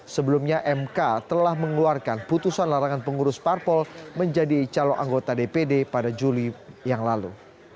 sebelumnya mk telah mengeluarkan putusan larangan pengurus parpol menjadi calon anggota dpd pada juli yang lalu